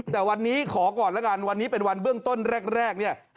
แต่วันนี้ขอก่อนแล้วกันวันนี้เป็นวันเบื้องต้นแรกเนี่ย